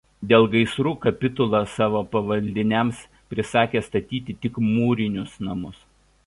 Dėl gaisrų kapitula savo pavaldiniams prisakė statyti tik mūrinius namus.